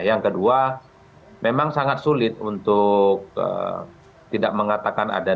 yang kedua memang sangat sulit untuk tidak mengatakan ada